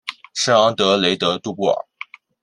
圣昂德雷德杜布尔。